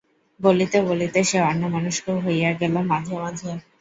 বলিতে বলিতে সে অন্যমনস্কও হইয়া গেল মাঝে মাঝে।